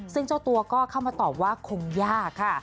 ซึ่งเจ้าตัวก็เข้ามาตอบว่าคงยากค่ะ